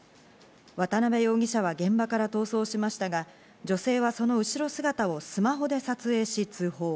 渡辺容疑者は現場から逃走しましたが、女性はその後ろ姿をスマホで撮影し、通報。